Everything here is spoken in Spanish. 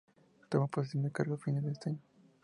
Tomó posesión del cargo a fines de ese año.